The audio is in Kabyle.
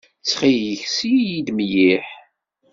Ttxil-k, sel-iyi-d mliḥ.